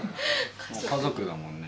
もう家族だもんね。